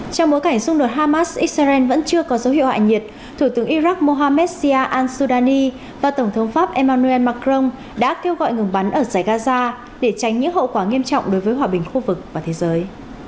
trong bối cảnh xung đột hamas israel vẫn chưa có dấu hiệu hạ nhiệt thủ tướng iraq mohammedia al sudani và tổng thống pháp emmanuel macron đã kêu gọi ngừng bắn ở giải gaza để tránh những hậu quả nghiêm trọng đối với hòa bình khu vực và thế giới